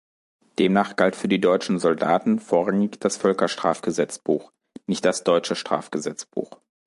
Demnach galt für die deutschen Soldaten vorrangig das Völkerstrafgesetzbuch, nicht das deutsche Strafgesetzbuch.